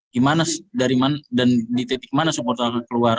gimana dari mana dan di titik mana supporter keluar